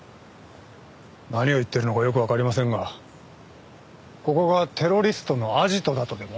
何を言っているのかよくわかりませんがここがテロリストのアジトだとでも？